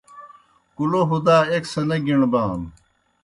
کُلو ہُدا ایْک سہ نہ گِݨبانوْ